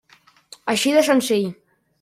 Així de senzill.